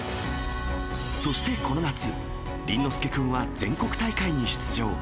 そしてこの夏、倫之亮君は全国大会に出場。